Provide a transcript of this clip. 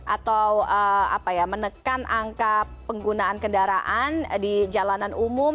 atau menekan angka penggunaan kendaraan di jalanan umum